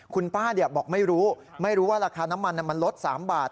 คุณป้าบอกไม่รู้ไม่รู้ว่าราคาน้ำมันมันลด๓บาท